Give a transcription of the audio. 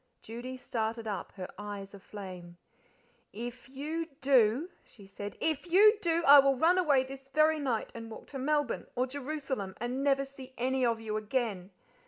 Judy started up, her eyes aflame. "If you do," she said "if you do, I will run away this very night, and walk to Melbourne, or Jerusalem, and never see any of you again!